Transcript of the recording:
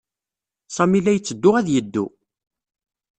Sami la yetteddu ad yeddu.